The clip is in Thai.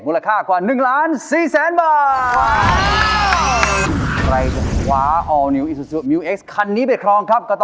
มูลค่ากว่า๑๔๐๐๐๐๐บาท